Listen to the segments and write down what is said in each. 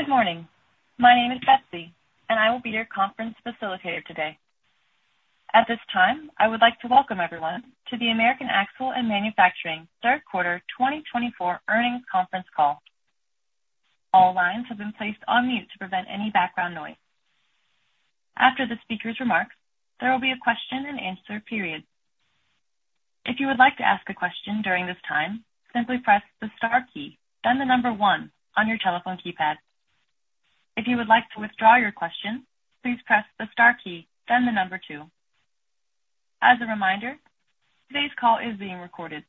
Good morning. My name is Betsy, and I will be your conference facilitator today. At this time, I would like to welcome everyone to the American Axle & Manufacturing third quarter 2024 earnings conference call. All lines have been placed on mute to prevent any background noise. After the speaker's remarks, there will be a question-and-answer period. If you would like to ask a question during this time, simply press the star key, then the number one on your telephone keypad. If you would like to withdraw your question, please press the star key, then the number two. As a reminder, today's call is being recorded.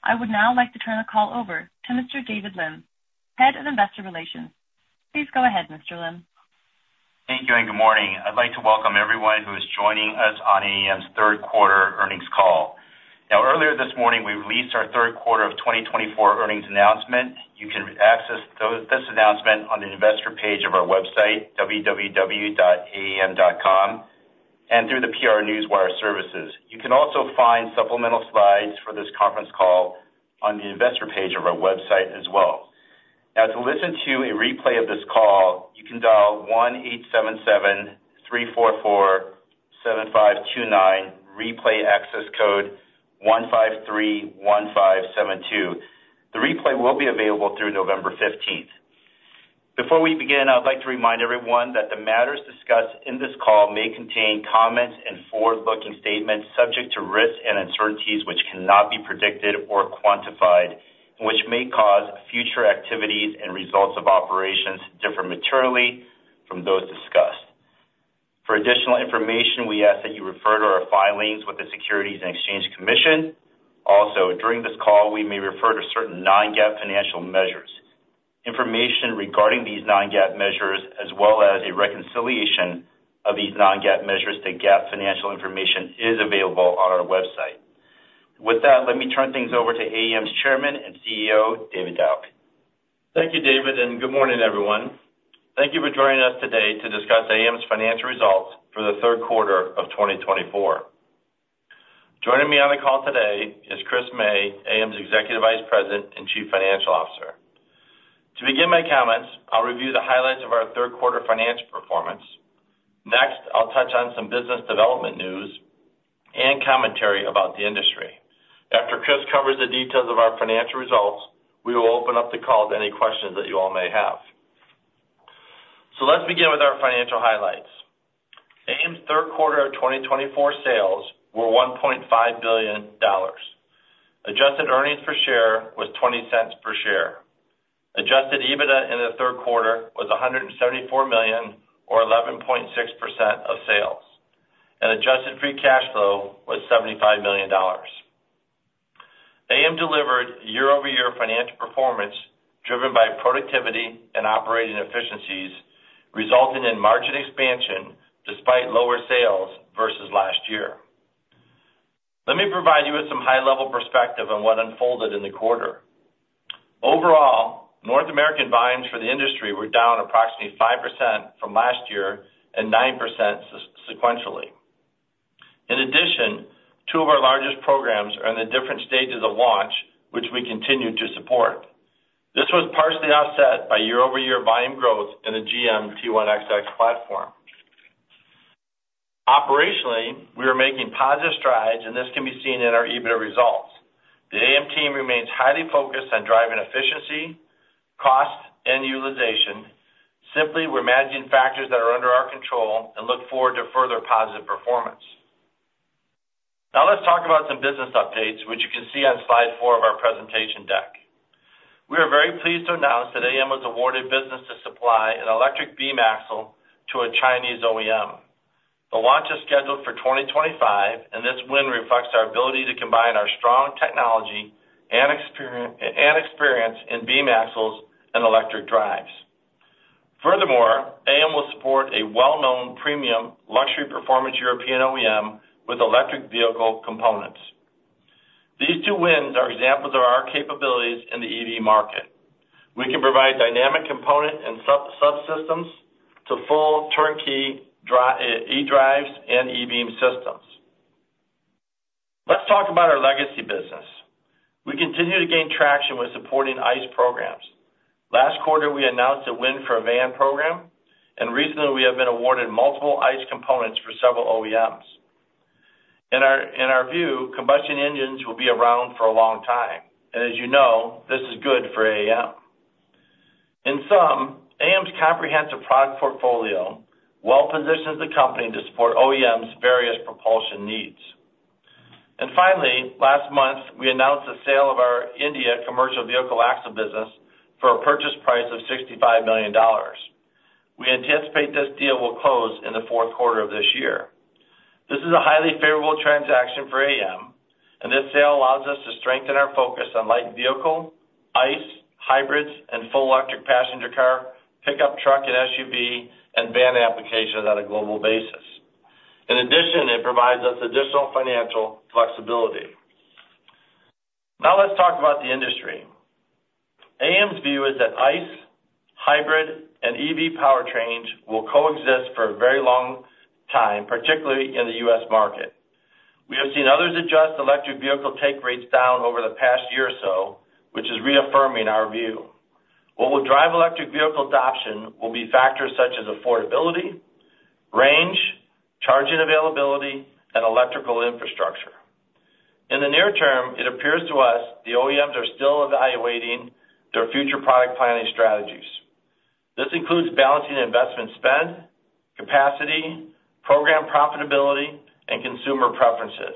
I would now like to turn the call over to Mr. David Lim, Head of Investor Relations. Please go ahead, Mr. Lim. Thank you, and good morning. I'd like to welcome everyone who is joining us on AAM's third quarter earnings call. Now, earlier this morning, we released our third quarter of 2024 earnings announcement. You can access this announcement on the investor page of our website, www.aam.com, and through the PR Newswire services. You can also find supplemental slides for this conference call on the investor page of our website as well. Now, to listen to a replay of this call, you can dial 1-877-344-7529, replay access code 1531572. The replay will be available through November 15th. Before we begin, I'd like to remind everyone that the matters discussed in this call may contain comments and forward-looking statements subject to risks and uncertainties which cannot be predicted or quantified, which may cause future activities and results of operations to differ materially from those discussed. For additional information, we ask that you refer to our filings with the Securities and Exchange Commission. Also, during this call, we may refer to certain non-GAAP financial measures. Information regarding these non-GAAP measures, as well as a reconciliation of these non-GAAP measures to GAAP financial information, is available on our website. With that, let me turn things over to AAM's Chairman and CEO, David Dauch. Thank you, David, and good morning, everyone. Thank you for joining us today to discuss AAM's financial results for the third quarter of 2024. Joining me on the call today is Chris May, AAM's Executive Vice President and Chief Financial Officer. To begin my comments, I'll review the highlights of our third quarter financial performance. Next, I'll touch on some business development news and commentary about the industry. After Chris covers the details of our financial results, we will open up the call to any questions that you all may have. So let's begin with our financial highlights. AAM's third quarter of 2024 sales were $1.5 billion. Adjusted earnings per share was $0.20 per share. Adjusted EBITDA in the third quarter was $174 million, or 11.6% of sales. And adjusted free cash flow was $75 million. AAM delivered year-over-year financial performance driven by productivity and operating efficiencies, resulting in margin expansion despite lower sales versus last year. Let me provide you with some high-level perspective on what unfolded in the quarter. Overall, North American builds for the industry were down approximately 5% from last year and 9% sequentially. In addition, two of our largest programs are in the different stages of launch, which we continue to support. This was partially offset by year-over-year build growth in the GM T1XX platform. Operationally, we are making positive strides, and this can be seen in our EBITDA results. The AAM team remains highly focused on driving efficiency, cost, and utilization. Simply, we're managing factors that are under our control and look forward to further positive performance. Now, let's talk about some business updates, which you can see on slide four of our presentation deck. We are very pleased to announce that AAM was awarded business to supply an e-Beam axle to a Chinese OEM. The launch is scheduled for 2025, and this win reflects our ability to combine our strong technology and experience in beam axles and electric drives. Furthermore, AAM will support a well-known premium luxury performance European OEM with electric vehicle components. These two wins are examples of our capabilities in the EV market. We can provide dynamic component and subsystems to full turnkey e-Drives and e-Beam systems. Let's talk about our legacy business. We continue to gain traction with supporting ICE programs. Last quarter, we announced a win for a van program, and recently, we have been awarded multiple ICE components for several OEMs. In our view, combustion engines will be around for a long time, and as you know, this is good for AAM. In sum, AAM's comprehensive product portfolio well positions the company to support OEM's various propulsion needs. And finally, last month, we announced the sale of our India commercial vehicle axle business for a purchase price of $65 million. We anticipate this deal will close in the fourth quarter of this year. This is a highly favorable transaction for AAM, and this sale allows us to strengthen our focus on light vehicle, ICE, hybrids, and full electric passenger car, pickup truck and SUV, and van applications on a global basis. In addition, it provides us additional financial flexibility. Now, let's talk about the industry. AAM's view is that ICE, hybrid, and EV powertrains will coexist for a very long time, particularly in the U.S. market. We have seen others adjust electric vehicle take rates down over the past year or so, which is reaffirming our view. What will drive electric vehicle adoption will be factors such as affordability, range, charging availability, and electrical infrastructure. In the near term, it appears to us the OEMs are still evaluating their future product planning strategies. This includes balancing investment spend, capacity, program profitability, and consumer preferences.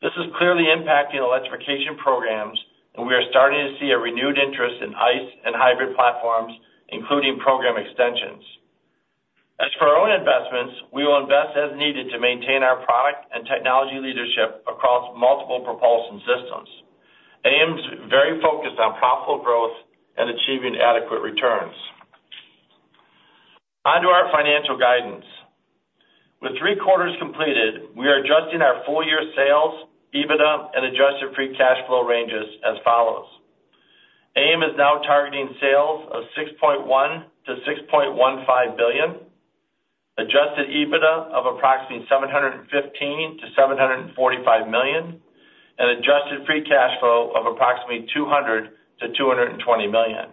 This is clearly impacting electrification programs, and we are starting to see a renewed interest in ICE and hybrid platforms, including program extensions. As for our own investments, we will invest as needed to maintain our product and technology leadership across multiple propulsion systems. AAM's very focused on profitable growth and achieving adequate returns. On to our financial guidance. With three quarters completed, we are adjusting our full year sales, EBITDA, and adjusted free cash flow ranges as follows. AAM is now targeting sales of $6.1-$6.15 billion, Adjusted EBITDA of approximately $715-$745 million, and Adjusted free cash flow of approximately $200-$220 million.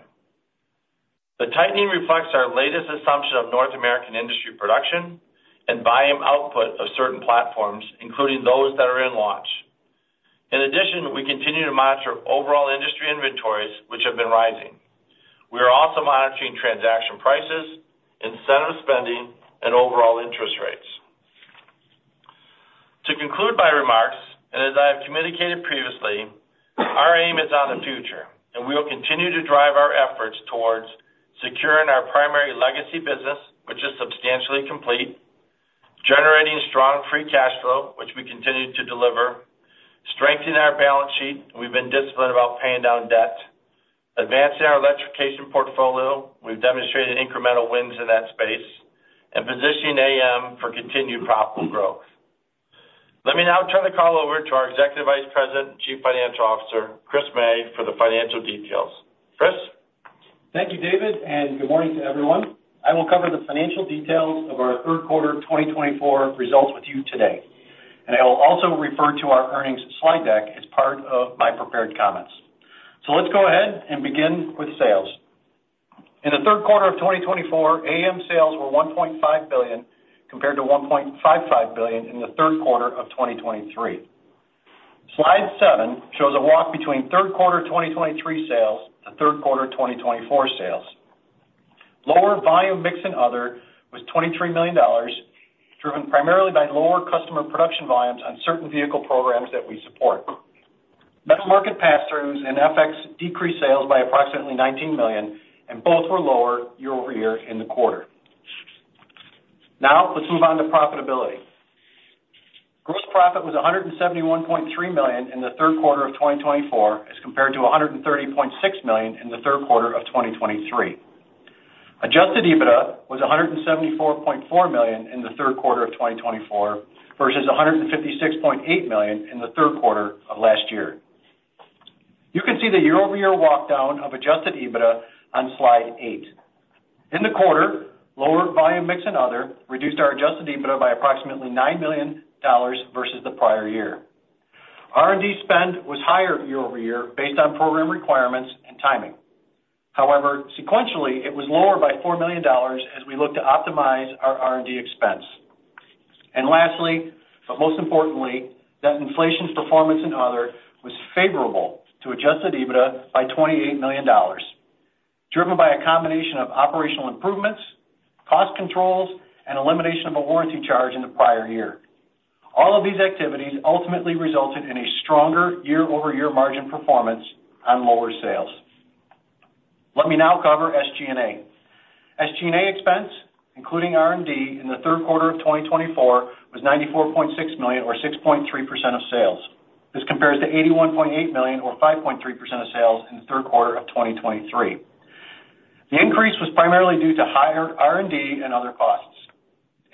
The tightening reflects our latest assumption of North American industry production and buying output of certain platforms, including those that are in launch. In addition, we continue to monitor overall industry inventories, which have been rising. We are also monitoring transaction prices, incentive spending, and overall interest rates. To conclude my remarks, and as I have communicated previously, our aim is on the future, and we will continue to drive our efforts towards securing our primary legacy business, which is substantially complete, generating strong free cash flow, which we continue to deliver, strengthening our balance sheet, we've been disciplined about paying down debt, advancing our electrification portfolio, we've demonstrated incremental wins in that space, and positioning AAM for continued profitable growth. Let me now turn the call over to our Executive Vice President and Chief Financial Officer, Chris May, for the financial details. Chris. Thank you, David, and good morning to everyone. I will cover the financial details of our third quarter 2024 results with you today, and I will also refer to our earnings slide deck as part of my prepared comments. So let's go ahead and begin with sales. In the third quarter of 2024, AAM sales were $1.5 billion compared to $1.55 billion in the third quarter of 2023. Slide seven shows a walk between third quarter 2023 sales and third quarter 2024 sales. Lower volume mix and other was $23 million, driven primarily by lower customer production volumes on certain vehicle programs that we support. Metal market pass-throughs and FX decreased sales by approximately $19 million, and both were lower year-over-year in the quarter. Now, let's move on to profitability. Gross profit was $171.3 million in the third quarter of 2024 as compared to $130.6 million in the third quarter of 2023. Adjusted EBITDA was $174.4 million in the third quarter of 2024 versus $156.8 million in the third quarter of last year. You can see the year-over-year walk down of adjusted EBITDA on slide eight. In the quarter, lower volume mix and other reduced our adjusted EBITDA by approximately $9 million versus the prior year. R&D spend was higher year-over-year based on program requirements and timing. However, sequentially, it was lower by $4 million as we looked to optimize our R&D expense. And lastly, but most importantly, that inflation performance and other was favorable to adjusted EBITDA by $28 million, driven by a combination of operational improvements, cost controls, and elimination of a warranty charge in the prior year. All of these activities ultimately resulted in a stronger year-over-year margin performance on lower sales. Let me now cover SG&A. SG&A expense, including R&D, in the third quarter of 2024 was $94.6 million, or 6.3% of sales. This compares to $81.8 million, or 5.3% of sales, in the third quarter of 2023. The increase was primarily due to higher R&D and other costs.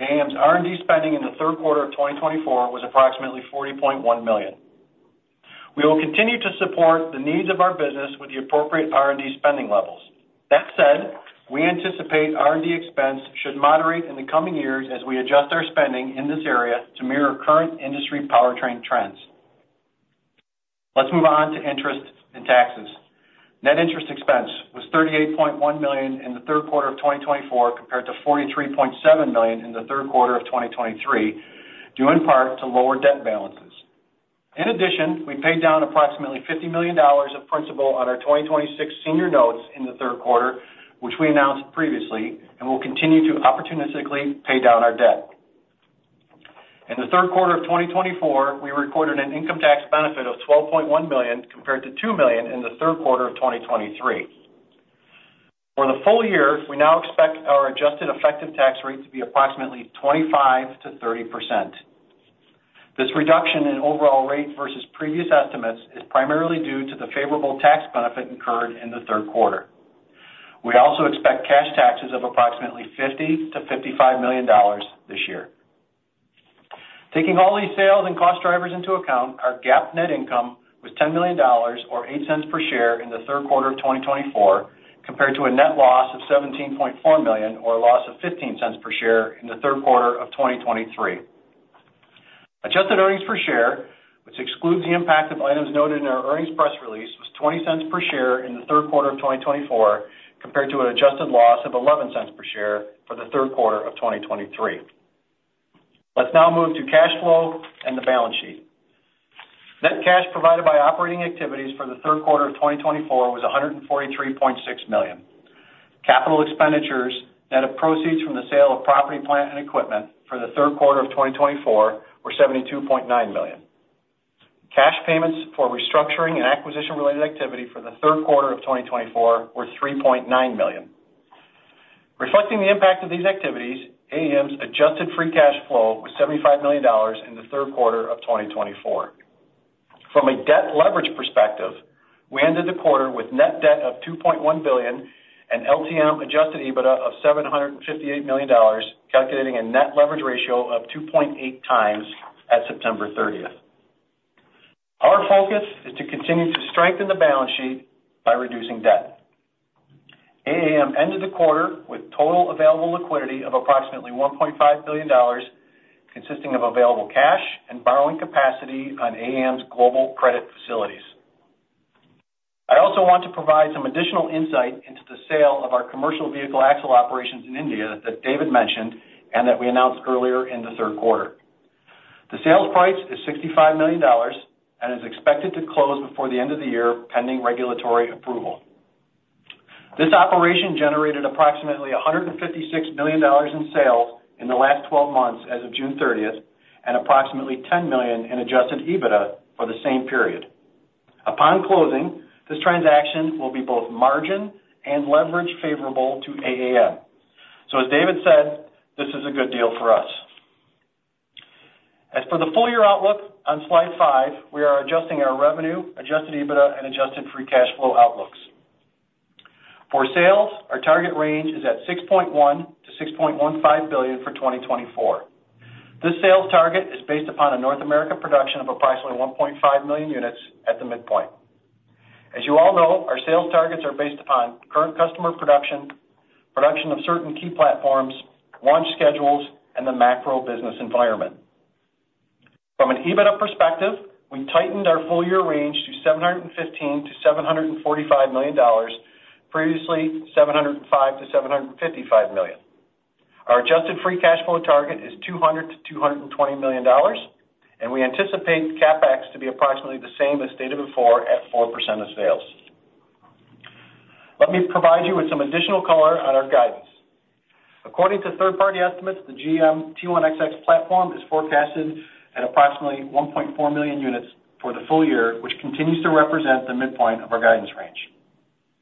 AAM's R&D spending in the third quarter of 2024 was approximately $40.1 million. We will continue to support the needs of our business with the appropriate R&D spending levels. That said, we anticipate R&D expense should moderate in the coming years as we adjust our spending in this area to mirror current industry powertrain trends. Let's move on to interest and taxes. Net interest expense was $38.1 million in the third quarter of 2024 compared to $43.7 million in the third quarter of 2023, due in part to lower debt balances. In addition, we paid down approximately $50 million of principal on our 2026 senior notes in the third quarter, which we announced previously, and we'll continue to opportunistically pay down our debt. In the third quarter of 2024, we recorded an income tax benefit of $12.1 million compared to $2 million in the third quarter of 2023. For the full year, we now expect our adjusted effective tax rate to be approximately 25%-30%. This reduction in overall rate versus previous estimates is primarily due to the favorable tax benefit incurred in the third quarter. We also expect cash taxes of approximately $50-$55 million this year. Taking all these sales and cost drivers into account, our GAAP net income was $10 million, or $0.08 per share in the third quarter of 2024, compared to a net loss of $17.4 million, or a loss of $0.15 per share in the third quarter of 2023. Adjusted earnings per share, which excludes the impact of items noted in our earnings press release, was $0.20 per share in the third quarter of 2024 compared to an adjusted loss of $0.11 per share for the third quarter of 2023. Let's now move to cash flow and the balance sheet. Net cash provided by operating activities for the third quarter of 2024 was $143.6 million. Capital expenditures, net of proceeds from the sale of property, plant, and equipment for the third quarter of 2024, were $72.9 million. Cash payments for restructuring and acquisition-related activity for the third quarter of 2024 were $3.9 million. Reflecting the impact of these activities, AAM's Adjusted free cash flow was $75 million in the third quarter of 2024. From a debt leverage perspective, we ended the quarter with net debt of $2.1 billion and LTM Adjusted EBITDA of $758 million, calculating a net leverage ratio of 2.8 times at September 30th. Our focus is to continue to strengthen the balance sheet by reducing debt. AAM ended the quarter with total available liquidity of approximately $1.5 billion, consisting of available cash and borrowing capacity on AAM's global credit facilities. I also want to provide some additional insight into the sale of our commercial vehicle axle operations in India that David mentioned and that we announced earlier in the third quarter. The sales price is $65 million and is expected to close before the end of the year pending regulatory approval. This operation generated approximately $156 million in sales in the last 12 months as of June 30th and approximately $10 million in adjusted EBITDA for the same period. Upon closing, this transaction will be both margin and leverage favorable to AAM. So, as David said, this is a good deal for us. As for the full year outlook, on slide five, we are adjusting our revenue, adjusted EBITDA, and adjusted free cash flow outlooks. For sales, our target range is at $6.1-$6.15 billion for 2024. This sales target is based upon a North America production of approximately 1.5 million units at the midpoint. As you all know, our sales targets are based upon current customer production, production of certain key platforms, launch schedules, and the macro business environment. From an EBITDA perspective, we tightened our full year range to $715-$745 million, previously $705-$755 million. Our adjusted free cash flow target is $200-$220 million, and we anticipate CapEx to be approximately the same as stated before at 4% of sales. Let me provide you with some additional color on our guidance. According to third-party estimates, the GM T1XX platform is forecasted at approximately 1.4 million units for the full year, which continues to represent the midpoint of our guidance range.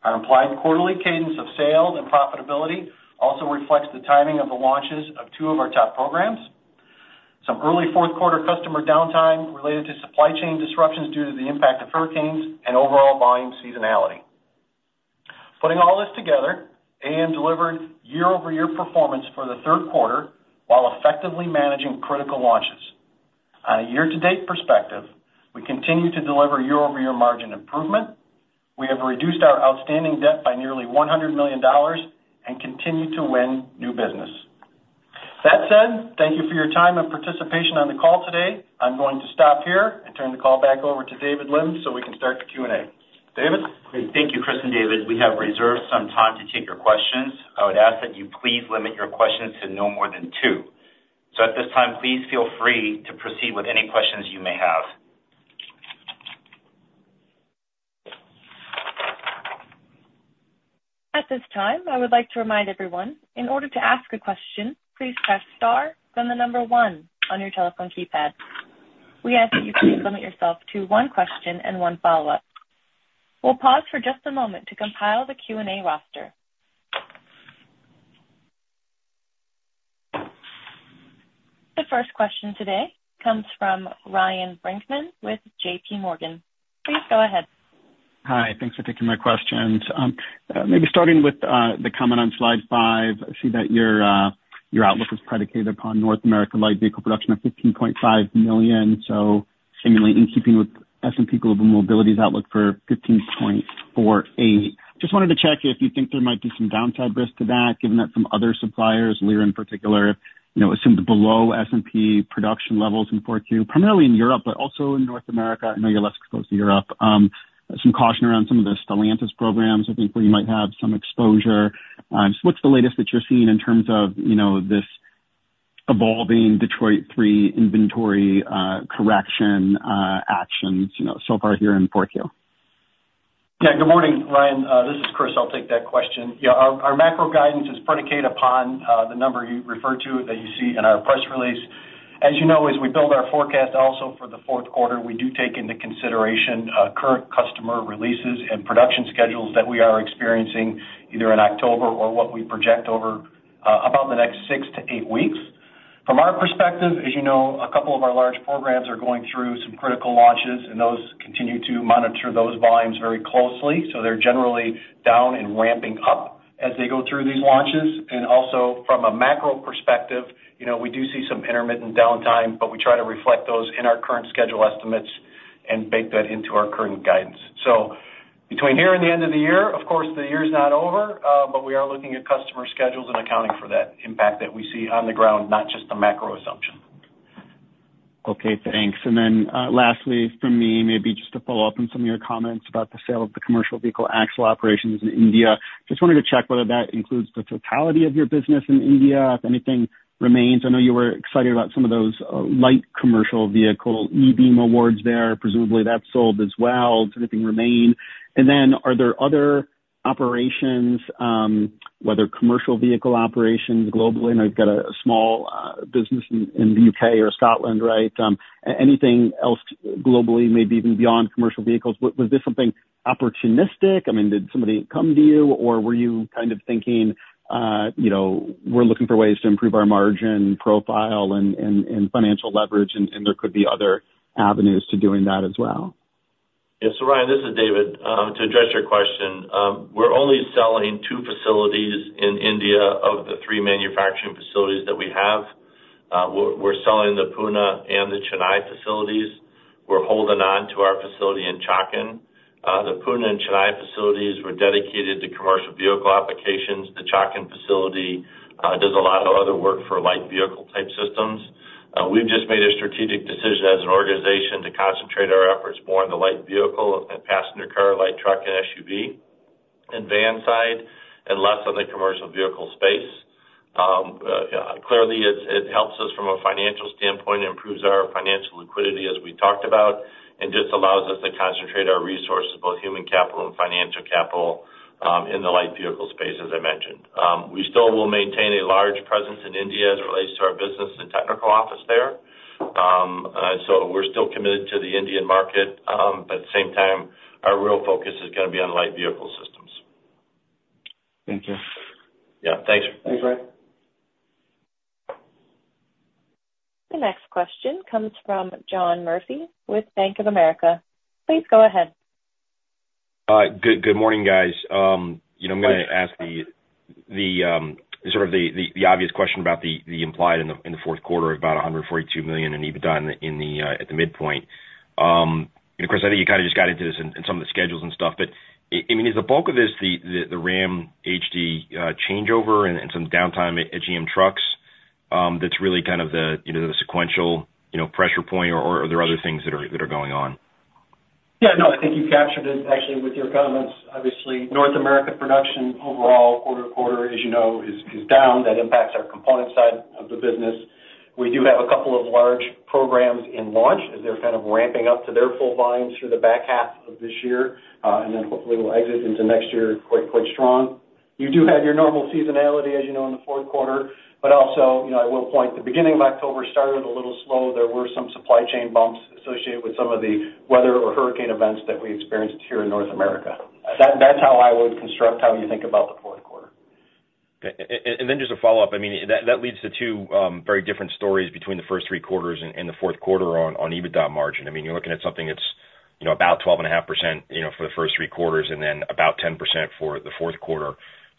Our implied quarterly cadence of sales and profitability also reflects the timing of the launches of two of our top programs, some early fourth-quarter customer downtime related to supply chain disruptions due to the impact of hurricanes, and overall volume seasonality. Putting all this together, AAM delivered year-over-year performance for the third quarter while effectively managing critical launches. On a year-to-date perspective, we continue to deliver year-over-year margin improvement. We have reduced our outstanding debt by nearly $100 million and continue to win new business. That said, thank you for your time and participation on the call today. I'm going to stop here and turn the call back over to David Lim so we can start the Q&A. David? Thank you, Chris and David. We have reserved some time to take your questions. I would ask that you please limit your questions to no more than two. So, at this time, please feel free to proceed with any questions you may have. At this time, I would like to remind everyone, in order to ask a question, please press star, then the number one on your telephone keypad. We ask that you please limit yourself to one question and one follow-up. We'll pause for just a moment to compile the Q&A roster. The first question today comes from Ryan Brinkman with JPMorgan. Please go ahead. Hi. Thanks for taking my questions. Maybe starting with the comment on slide five, I see that your outlook is predicated upon North America light vehicle production of 15.5 million, so seemingly in keeping with S&P Global Mobility's outlook for 15.48. Just wanted to check if you think there might be some downside risk to that, given that some other suppliers, Lear in particular, assumed below S&P production levels in forward view, primarily in Europe, but also in North America. I know you're less exposed to Europe. Some caution around some of the Stellantis programs, I think, where you might have some exposure. What's the latest that you're seeing in terms of this evolving Detroit 3 inventory correction actions so far here in forward view? Yeah. Good morning, Ryan. This is Chris. I'll take that question. Yeah. Our macro guidance is predicated upon the number you referred to that you see in our press release. As you know, as we build our forecast also for the fourth quarter, we do take into consideration current customer releases and production schedules that we are experiencing either in October or what we project over about the next six to eight weeks. From our perspective, as you know, a couple of our large programs are going through some critical launches, and those continue to monitor those volumes very closely. So they're generally down and ramping up as they go through these launches. And also, from a macro perspective, we do see some intermittent downtime, but we try to reflect those in our current schedule estimates and bake that into our current guidance. So, between here and the end of the year, of course, the year's not over, but we are looking at customer schedules and accounting for that impact that we see on the ground, not just a macro assumption. Okay. Thanks. And then lastly, for me, maybe just to follow up on some of your comments about the sale of the commercial vehicle axle operations in India. Just wanted to check whether that includes the totality of your business in India, if anything remains. I know you were excited about some of those light commercial vehicle e-Beam awards there. Presumably, that's sold as well. Does anything remain? And then, are there other operations, whether commercial vehicle operations globally? I know you've got a small business in the UK or Scotland, right? Anything else globally, maybe even beyond commercial vehicles? Was this something opportunistic? I mean, did somebody come to you, or were you kind of thinking, "We're looking for ways to improve our margin profile and financial leverage, and there could be other avenues to doing that as well"? Yeah. So, Ryan, this is David. To address your question, we're only selling two facilities in India of the three manufacturing facilities that we have. We're selling the Pune and the Chennai facilities. We're holding on to our facility in Chakan. The Pune and Chennai facilities were dedicated to commercial vehicle applications. The Chakan facility does a lot of other work for light vehicle-type systems. We've just made a strategic decision as an organization to concentrate our efforts more in the light vehicle and passenger car, light truck, and SUV and van side, and less on the commercial vehicle space. Clearly, it helps us from a financial standpoint, improves our financial liquidity, as we talked about, and just allows us to concentrate our resources, both human capital and financial capital, in the light vehicle space, as I mentioned. We still will maintain a large presence in India as it relates to our business and technical office there, and so we're still committed to the Indian market, but at the same time, our real focus is going to be on light vehicle systems. Thank you. Yeah. Thanks. Thanks, Ryan. The next question comes from John Murphy with Bank of America. Please go ahead. Good morning, guys. I'm going to ask sort of the obvious question about the implied EBITDA in the fourth quarter of about $142 million at the midpoint. Chris, I think you kind of just got into this and some of the schedules and stuff, but I mean, is the bulk of this the Ram HD changeover and some downtime at GM trucks? That's really kind of the sequential pressure point, or are there other things that are going on? Yeah. No, I think you captured it actually with your comments. Obviously, North America production overall quarter to quarter, as you know, is down. That impacts our component side of the business. We do have a couple of large programs in launch as they're kind of ramping up to their full volumes through the back half of this year, and then hopefully we'll exit into next year quite strong. You do have your normal seasonality, as you know, in the fourth quarter, but also I will point the beginning of October started a little slow. There were some supply chain bumps associated with some of the weather or hurricane events that we experienced here in North America. That's how I would construct how you think about the fourth quarter. Just a follow-up. I mean, that leads to two very different stories between the first three quarters and the fourth quarter on EBITDA margin. I mean, you're looking at something that's about 12.5% for the first three quarters and then about 10% for the fourth quarter.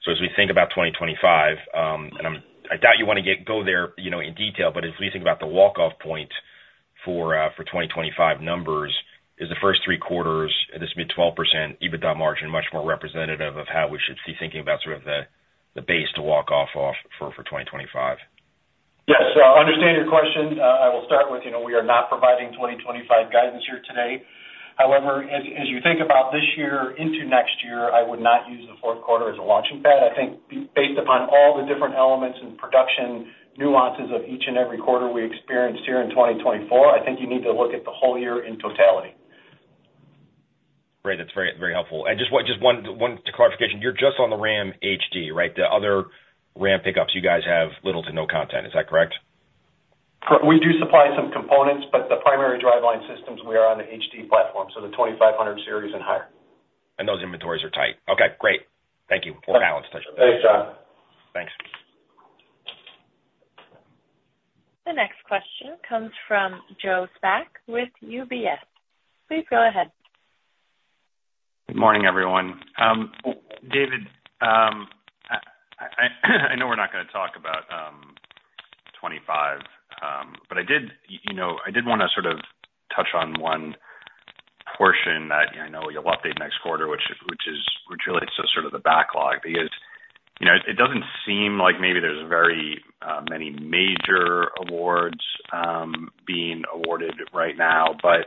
So, as we think about 2025, and I doubt you want to go there in detail, but as we think about the walk-off point for 2025 numbers, is the first three quarters, this mid 12% EBITDA margin much more representative of how we should be thinking about sort of the base to walk off for 2025? Yes. I understand your question. I will start with, we are not providing 2025 guidance here today. However, as you think about this year into next year, I would not use the fourth quarter as a launching pad. I think, based upon all the different elements and production nuances of each and every quarter we experienced here in 2024, I think you need to look at the whole year in totality. Great. That's very helpful. And just one clarification. You're just on the Ram HD, right? The other Ram pickups, you guys have little to no content. Is that correct? We do supply some components, but the primary driveline systems, we are on the HD platform, so the 2500 series and higher. Those inventories are tight. Okay. Great. Thank you for balance. Thanks, John. Thanks. The next question comes from Joe Spak with UBS. Please go ahead. Good morning, everyone. David, I know we're not going to talk about 2025, but I did want to sort of touch on one portion that I know you'll update next quarter, which relates to sort of the backlog because it doesn't seem like maybe there's very many major awards being awarded right now. But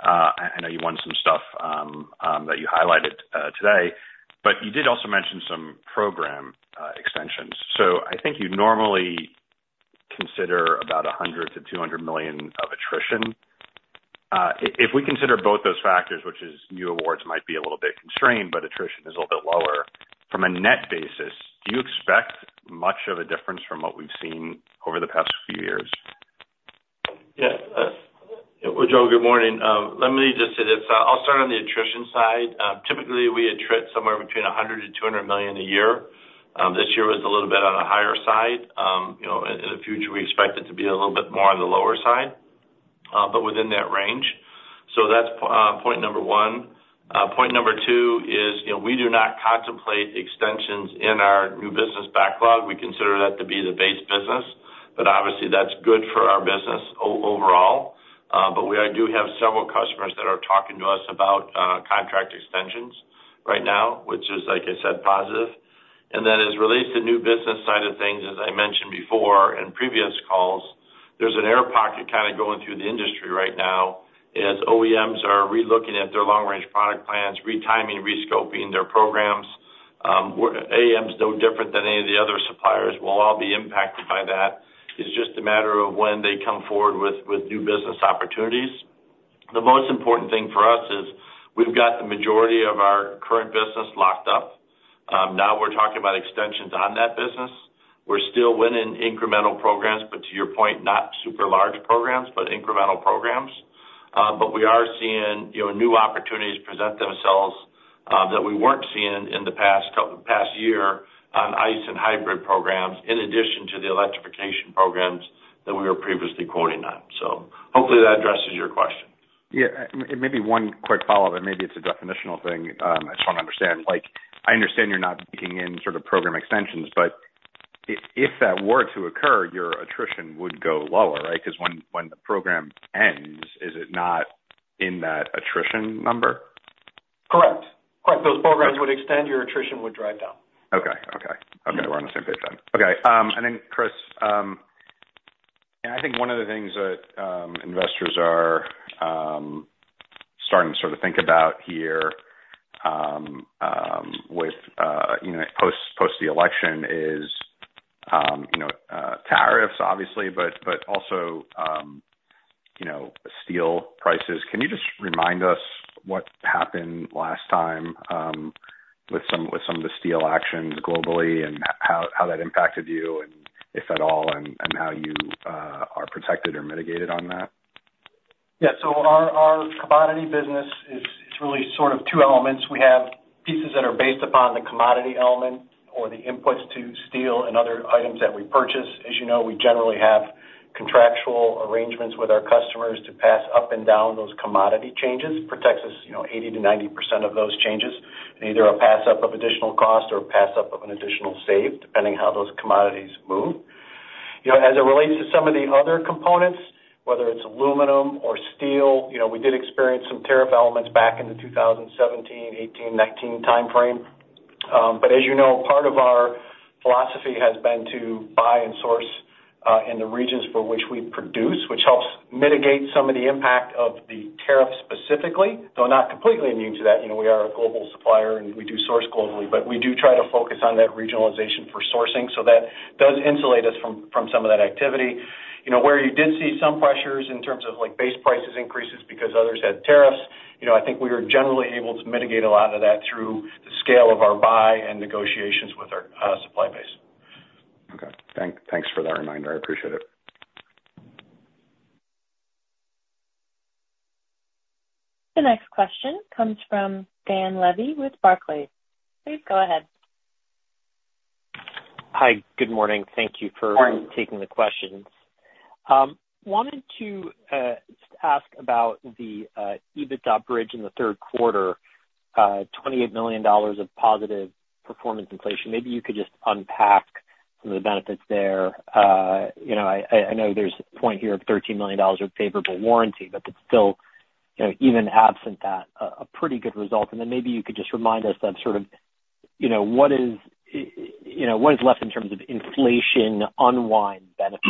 I know you won some stuff that you highlighted today, but you did also mention some program extensions. So, I think you normally consider about 100-200 million of attrition. If we consider both those factors, which is new awards might be a little bit constrained, but attrition is a little bit lower, from a net basis, do you expect much of a difference from what we've seen over the past few years? Yeah. Well, Joe, good morning. Let me just say this. I'll start on the attrition side. Typically, we attrit somewhere between $100 million-$200 million a year. This year was a little bit on the higher side. In the future, we expect it to be a little bit more on the lower side, but within that range. So, that's point number one. Point number two is we do not contemplate extensions in our new business backlog. We consider that to be the base business, but obviously, that's good for our business overall. But we do have several customers that are talking to us about contract extensions right now, which is, like I said, positive. And then, as it relates to the new business side of things, as I mentioned before in previous calls, there's an air pocket kind of going through the industry right now as OEMs are relooking at their long-range product plans, retiming, rescoping their programs. AAM's no different than any of the other suppliers. We'll all be impacted by that. It's just a matter of when they come forward with new business opportunities. The most important thing for us is we've got the majority of our current business locked up. Now we're talking about extensions on that business. We're still winning incremental programs, but to your point, not super large programs, but incremental programs. But we are seeing new opportunities present themselves that we weren't seeing in the past year on ICE and hybrid programs, in addition to the electrification programs that we were previously quoting on. So, hopefully, that addresses your question. Yeah. Maybe one quick follow-up, and maybe it's a definitional thing. I just want to understand. I understand you're not looking in sort of program extensions, but if that were to occur, your attrition would go lower, right? Because when the program ends, is it not in that attrition number? Correct. Correct. Those programs would extend. Your attrition would drive down. Okay. Okay. Okay. We're on the same page then. Okay. And then, Chris, I think one of the things that investors are starting to sort of think about here with post the election is tariffs, obviously, but also steel prices. Can you just remind us what happened last time with some of the steel actions globally and how that impacted you, if at all, and how you are protected or mitigated on that? Yeah. So, our commodity business is really sort of two elements. We have pieces that are based upon the commodity element or the inputs to steel and other items that we purchase. As you know, we generally have contractual arrangements with our customers to pass up and down those commodity changes. It protects us 80%-90% of those changes, either a pass-up of additional cost or a pass-up of an additional save, depending on how those commodities move. As it relates to some of the other components, whether it's aluminum or steel, we did experience some tariff elements back in the 2017, 2018, 2019 timeframe. But as you know, part of our philosophy has been to buy and source in the regions for which we produce, which helps mitigate some of the impact of the tariff specifically. Though not completely immune to that, we are a global supplier, and we do source globally, but we do try to focus on that regionalization for sourcing. So that does insulate us from some of that activity. Where you did see some pressures in terms of base prices increases because others had tariffs, I think we were generally able to mitigate a lot of that through the scale of our buy and negotiations with our supply base. Okay. Thanks for that reminder. I appreciate it. The next question comes from Dan Levy with Barclays. Please go ahead. Hi. Good morning. Thank you for taking the questions. Wanted to ask about the EBITDA bridge in the third quarter, $28 million of positive performance inflation. Maybe you could just unpack some of the benefits there. I know there's a point here of $13 million of favorable warranty, but that's still, even absent that, a pretty good result. And then maybe you could just remind us of sort of what is left in terms of inflation unwind benefits.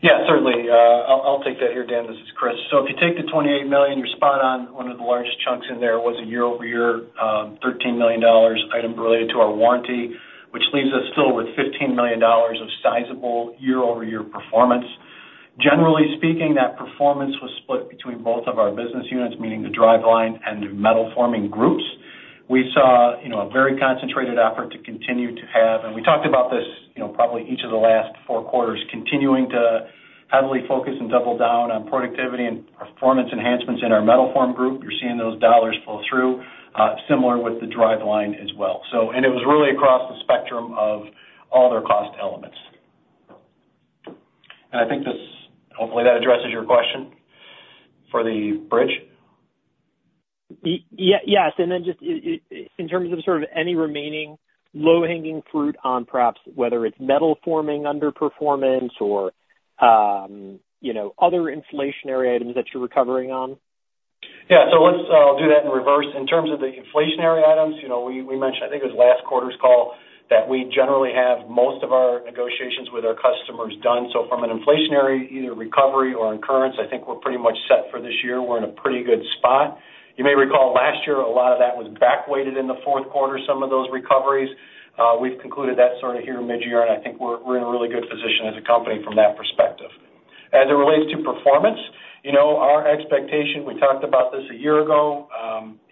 Yeah. Certainly. I'll take that here, Dan. This is Chris. So, if you take the $28 million, you're spot on. One of the largest chunks in there was a year-over-year $13 million item related to our warranty, which leaves us still with $15 million of sizable year-over-year performance. Generally speaking, that performance was split between both of our business units, meaning the driveline and the metal forming groups. We saw a very concentrated effort to continue to have (and we talked about this probably each of the last four quarters) continuing to heavily focus and double down on productivity and performance enhancements in our metal forming group. You're seeing those dollars flow through, similar with the driveline as well. And it was really across the spectrum of all their cost elements. And I think hopefully that addresses your question for the bridge. Yes. And then just in terms of sort of any remaining low-hanging fruit on perhaps whether it's metal forming underperformance or other inflationary items that you're recovering on? Yeah. So, I'll do that in reverse. In terms of the inflationary items, we mentioned, I think it was last quarter's call, that we generally have most of our negotiations with our customers done. So, from an inflationary either recovery or incurrence, I think we're pretty much set for this year. We're in a pretty good spot. You may recall last year, a lot of that was back-weighted in the fourth quarter, some of those recoveries. We've concluded that sort of here mid-year, and I think we're in a really good position as a company from that perspective. As it relates to performance, our expectation (we talked about this a year ago)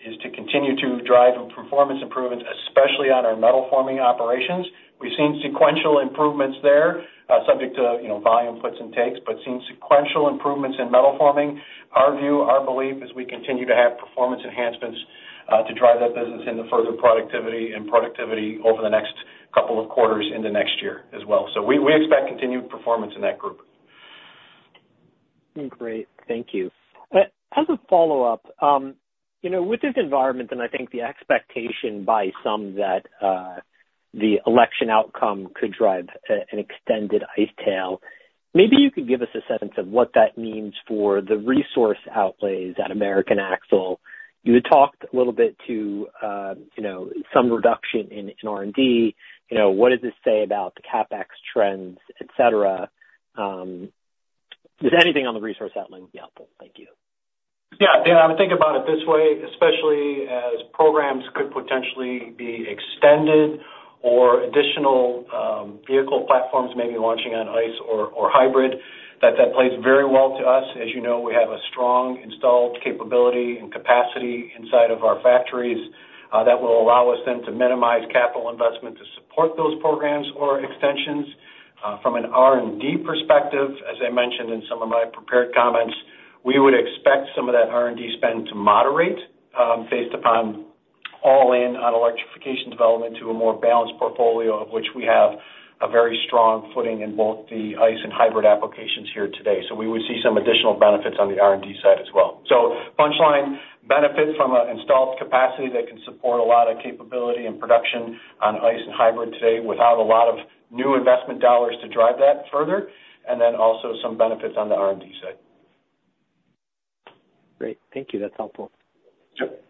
is to continue to drive performance improvements, especially on our metal forming operations. We've seen sequential improvements there, subject to volume puts and takes, but seen sequential improvements in metal forming. Our view, our belief, is we continue to have performance enhancements to drive that business into further productivity and productivity over the next couple of quarters into next year as well, so we expect continued performance in that group. Great. Thank you. As a follow-up, with this environment, and I think the expectation by some that the election outcome could drive an extended ICE tail, maybe you could give us a sense of what that means for the resource outlays at American Axle. You had talked a little bit to some reduction in R&D. What does this say about the CapEx trends, etc.? Is there anything on the resource outlay? Yeah. Thank you. Yeah. Dan, I would think about it this way, especially as programs could potentially be extended or additional vehicle platforms may be launching on ICE or hybrid. That plays very well to us. As you know, we have a strong installed capability and capacity inside of our factories that will allow us then to minimize capital investment to support those programs or extensions. From an R&D perspective, as I mentioned in some of my prepared comments, we would expect some of that R&D spend to moderate based upon all-in on electrification development to a more balanced portfolio, of which we have a very strong footing in both the ICE and hybrid applications here today. So, we would see some additional benefits on the R&D side as well. Punchline benefit from an installed capacity that can support a lot of capability and production on ice and hybrid today without a lot of new investment dollars to drive that further, and then also some benefits on the R&D side. Great. Thank you. That's helpful. Yep.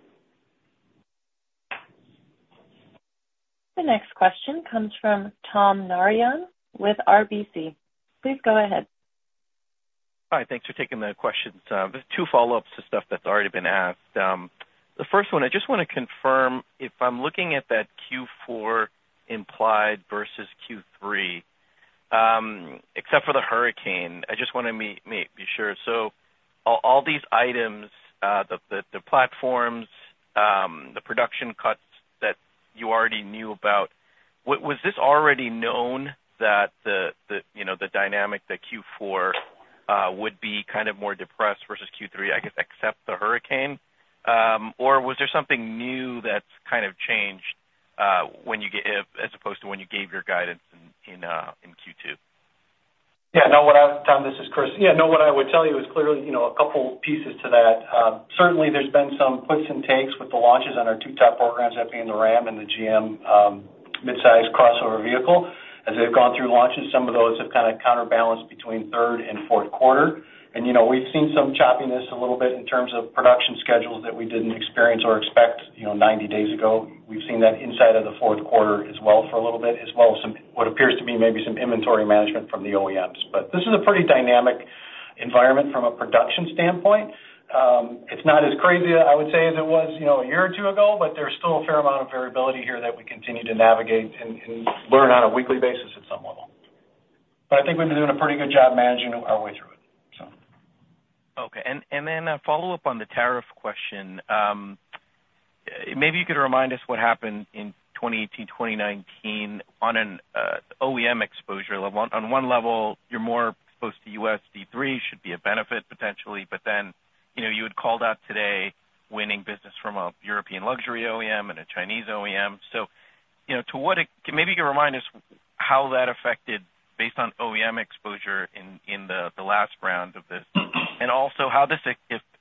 The next question comes from Tom Narayan with RBC. Please go ahead. Hi. Thanks for taking the questions. Two follow-ups to stuff that's already been asked. The first one, I just want to confirm if I'm looking at that Q4 implied versus Q3, except for the hurricane, I just want to be sure. So, all these items, the platforms, the production cuts that you already knew about, was this already known that the dynamic, the Q4, would be kind of more depressed versus Q3, I guess, except the hurricane? Or was there something new that's kind of changed as opposed to when you gave your guidance in Q2? Yeah. No, what I, Tom, this is Chris. Yeah. No, what I would tell you is clearly a couple pieces to that. Certainly, there's been some puts and takes with the launches on our two top programs that being the Ram and the GM midsize crossover vehicle. As they've gone through launches, some of those have kind of counterbalanced between third and fourth quarter. And we've seen some choppiness a little bit in terms of production schedules that we didn't experience or expect 90 days ago. We've seen that inside of the fourth quarter as well for a little bit, as well as what appears to be maybe some inventory management from the OEMs. But this is a pretty dynamic environment from a production standpoint. It's not as crazy, I would say, as it was a year or two ago, but there's still a fair amount of variability here that we continue to navigate and learn on a weekly basis at some level. But I think we've been doing a pretty good job managing our way through it, so. Okay. And then a follow-up on the tariff question. Maybe you could remind us what happened in 2018, 2019 on an OEM exposure level. On one level, you're more exposed to U.S. D3, should be a benefit potentially, but then you had called out today winning business from a European luxury OEM and a Chinese OEM. So, maybe you could remind us how that affected based on OEM exposure in the last round of this, and also how this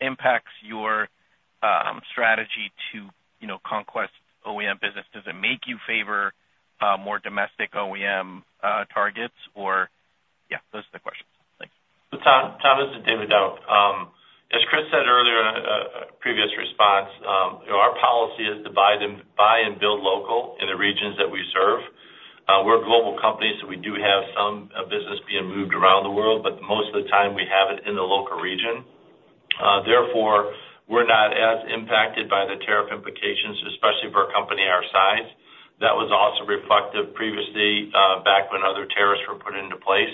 impacts your strategy to conquest OEM business. Does it make you favor more domestic OEM targets? Or yeah, those are the questions. Thanks. Tom, this is David Dauch. As Chris said earlier in a previous response, our policy is to buy and build local in the regions that we serve. We're a global company, so we do have some business being moved around the world, but most of the time we have it in the local region. Therefore, we're not as impacted by the tariff implications, especially for a company our size. That was also reflective previously back when other tariffs were put into place.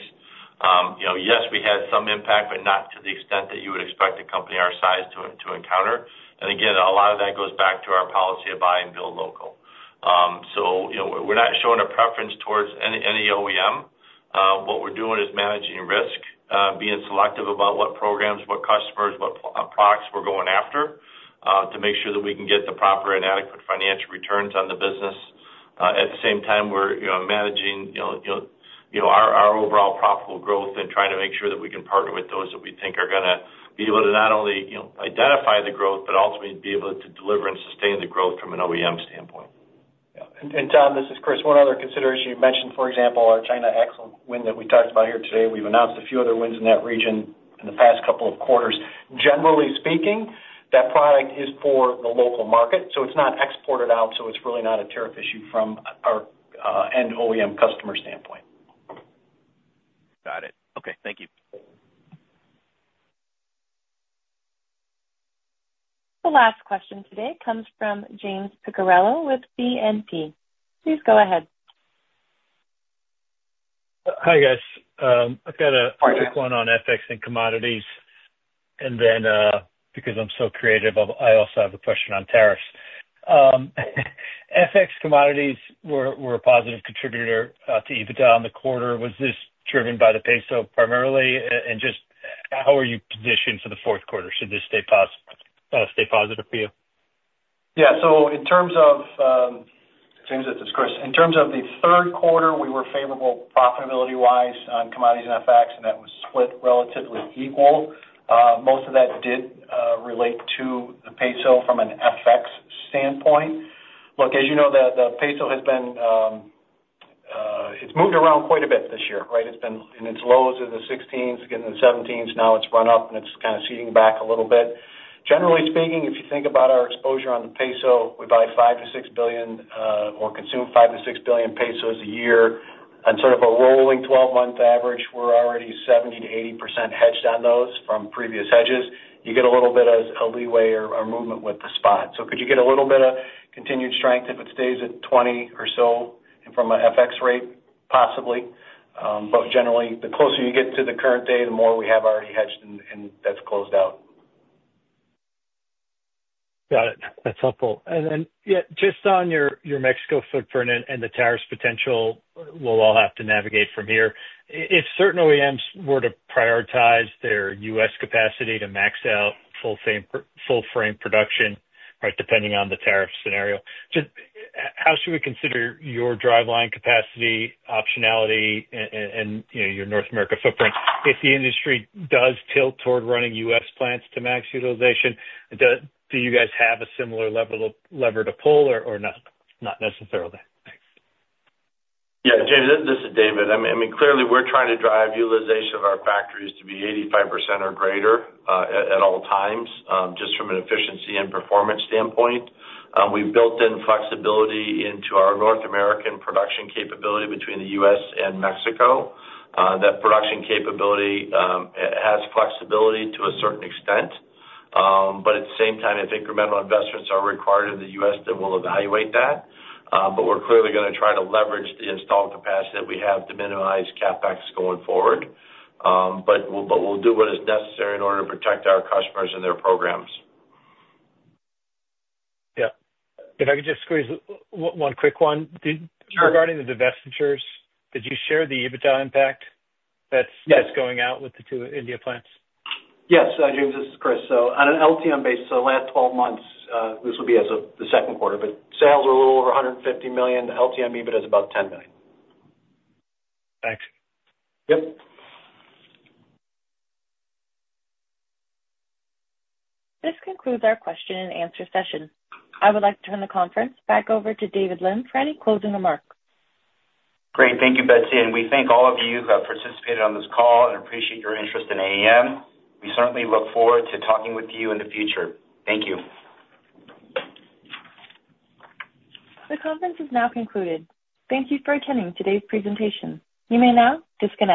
Yes, we had some impact, but not to the extent that you would expect a company our size to encounter, and again, a lot of that goes back to our policy of buy and build local, so we're not showing a preference towards any OEM. What we're doing is managing risk, being selective about what programs, what customers, what products we're going after to make sure that we can get the proper and adequate financial returns on the business. At the same time, we're managing our overall profitable growth and trying to make sure that we can partner with those that we think are going to be able to not only identify the growth, but ultimately be able to deliver and sustain the growth from an OEM standpoint. Yeah. And Tom, this is Chris. One other consideration. You mentioned, for example, our China axle win that we talked about here today. We've announced a few other wins in that region in the past couple of quarters. Generally speaking, that product is for the local market, so it's not exported out. So, it's really not a tariff issue from our end OEM customer standpoint. Got it. Okay. Thank you. The last question today comes from James Picariello with BNP. Please go ahead. Hi, guys. I've got a quick one on FX and commodities. And then because I'm so creative, I also have a question on tariffs. FX commodities were a positive contributor to EBITDA on the quarter. Was this driven by the peso primarily? And just how are you positioned for the fourth quarter? Should this stay positive for you? Yeah. So, in terms of the third quarter, we were favorable profitability-wise on commodities and FX, and that was split relatively equal. Most of that did relate to the peso from an FX standpoint. Look, as you know, the peso has been, it's moved around quite a bit this year, right? It's been in its lows in the 16s, again in the 17s. Now it's run up, and it's kind of settling back a little bit. Generally speaking, if you think about our exposure on the peso, we buy 5-6 billion or consume 5-6 billion pesos a year. On sort of a rolling 12-month average, we're already 70%-80% hedged on those from previous hedges. You get a little bit of a leeway or movement with the spot. So, could you get a little bit of continued strength if it stays at 20 or so from an FX rate, possibly? But generally, the closer you get to the current day, the more we have already hedged, and that's closed out. Got it. That's helpful. And then just on your Mexico footprint and the tariffs potential, we'll all have to navigate from here. If certain OEMs were to prioritize their U.S. capacity to max out full-frame production, right, depending on the tariff scenario, how should we consider your driveline capacity, optionality, and your North America footprint? If the industry does tilt toward running U.S. plants to max utilization, do you guys have a similar lever to pull or not necessarily? Yeah. James, this is David. I mean, clearly, we're trying to drive utilization of our factories to be 85% or greater at all times, just from an efficiency and performance standpoint. We've built in flexibility into our North American production capability between the U.S. and Mexico. That production capability has flexibility to a certain extent, but at the same time, if incremental investments are required in the U.S., then we'll evaluate that, but we're clearly going to try to leverage the installed capacity that we have to minimize CapEx going forward, but we'll do what is necessary in order to protect our customers and their programs. Yeah. If I could just squeeze one quick one. Regarding the divestitures, did you share the EBITDA impact that's going out with the two India plants? Yes. James, this is Chris. So, on an LTM basis, so the last 12 months, this would be as of the second quarter, but sales were a little over $150 million. LTM EBITDA is about $10 million. Thanks. Yep. This concludes our question-and-answer session. I would like to turn the conference back over to David Lim for any closing remarks. Great. Thank you, Betsy. And we thank all of you who have participated on this call and appreciate your interest in AAM. We certainly look forward to talking with you in the future. Thank you. The conference is now concluded. Thank you for attending today's presentation. You may now disconnect.